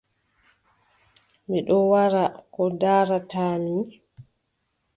Mi ɗon wara ko ndaarataa mi ?